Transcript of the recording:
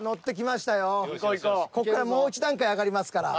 こっからもう一段階上がりますから。